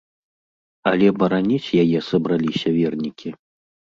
Але бараніць яе сабраліся вернікі.